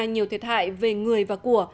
nhiều thiệt hại về người và của